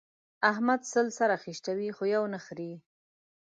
احمد سل سره خيشتوي؛ خو يو نه خرېي.